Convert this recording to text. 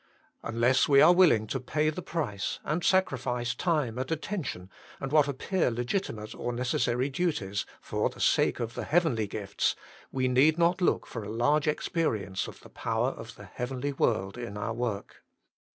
Unless we are willing to pay the price, THE LACK OF PEAYER 15 and sacrifice time and attention and what appear legitimate or necessary duties, for the sake of the heavenly gifts, we need not look for a large ex perience of the power of the heavenly world in our work.